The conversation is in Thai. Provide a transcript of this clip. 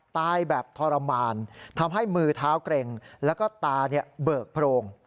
ตายแบบทรมานทำให้มือเท้าเกร็งแล้วก็ตาเบิกโพรง